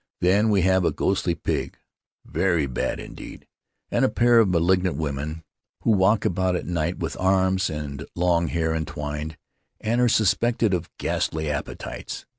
Then we have a ghostly pig, very bad indeed; and a pair of malignant women, who walk about at night with arms and long hair entwined, and are suspected of ghastly appetites.